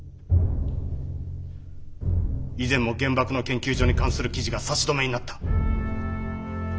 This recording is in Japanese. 以前も原爆の研究所に関する記事が差し止めになった。